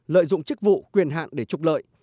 lợi dụng chức vụ quyền hạn để trục lợi